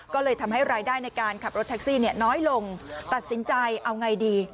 ก็เลยทำให้รายได้ในการขับรถแท็กซี่น้อยลงตัดสินใจเอาไงดี